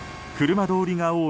車通りが多い